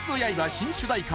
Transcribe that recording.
新主題歌